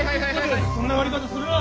そんな割り方するな！